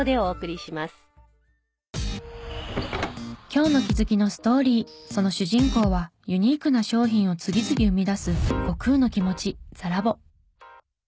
今日の気づきのストーリーその主人公はユニークな商品を次々生み出す「悟空のきもちＴＨＥＬＡＢＯ」。